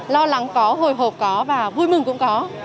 lo lắng có hồi hộp có và vui mừng cũng có